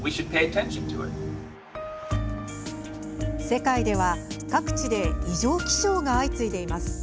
世界では各地で異常気象が相次いでいます。